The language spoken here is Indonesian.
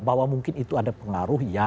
bahwa mungkin itu ada pengaruh ya